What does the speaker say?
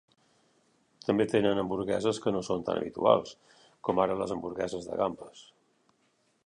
També tenen hamburgueses que no són tan habituals, com ara les hamburgueses de gambes.